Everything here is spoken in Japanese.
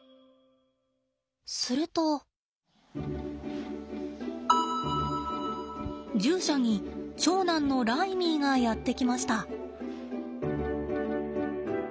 すると獣舎に長男のライミーがやって来ました。